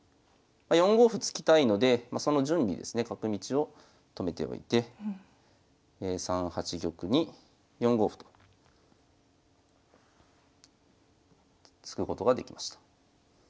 ４五歩突きたいのでその準備ですね角道を止めておいて３八玉に４五歩と突くことができました。